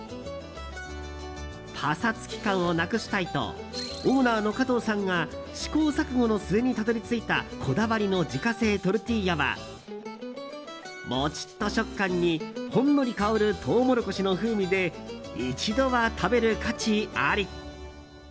パサつき感をなくしたいとオーナーの加藤さんが試行錯誤の末にたどり着いたこだわりの自家製トルティーヤはもちっと食感にほんのり香るトウモロコシの風味で一度は食べる価値あり。